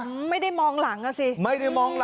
อืมไม่ได้มองหลังอ่ะสิ